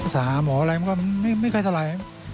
ไปหาหมออะไรมันก็ไม่เคยเท่าไร